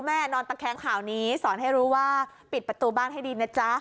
นอนตะแคงข่าวนี้สอนให้รู้ว่าปิดประตูบ้านให้ดีนะจ๊ะ